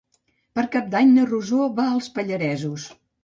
Per Cap d'Any na Rosó va als Pallaresos.